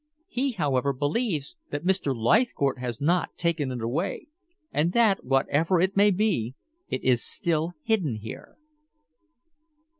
He, however, believes that Mr. Leithcourt has not taken it away, and that, whatever it may be, it is still hidden here."